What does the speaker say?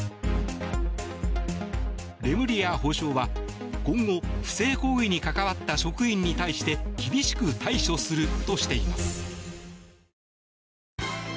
レムリヤ法相は今後不正行為に関わった職員に対して厳しく対処するとしています。